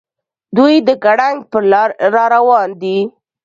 دوي د ګړنګ پر لار راروان دي.